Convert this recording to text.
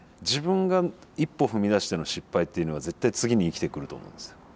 自分が一歩踏み出しての失敗っていうのは絶対次に生きてくると思うんですよ。